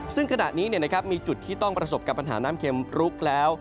ซึ่งขณะนี้มีจุดที่ต้องประสบกับปัญหาน้ำเข็มพลุกแล้ว